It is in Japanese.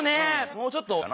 もうちょっとかな？